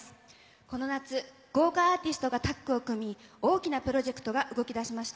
この夏、豪華アーティストがタッグを組み、大きなプロジェクトが動き出しました。